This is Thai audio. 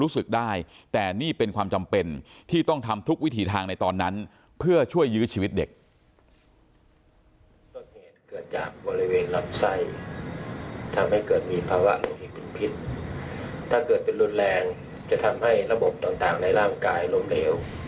ศพเกือบจากบริเวณลับไซด์ทำให้เกิดมีภาวะวิกฤตผิดถ้าเกิดเป็นรุนแรงจะทำให้ระบบต่างในร่างกายลมเหลว